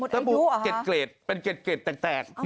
หมดอายุเหรอคะสบู่เกรดเป็นเกรดแตก